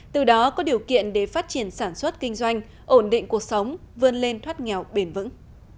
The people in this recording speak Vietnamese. từ đó có điều kiện để phát triển sản xuất kinh doanh ổn định cuộc sống vươn lên thoát nghèo bền vững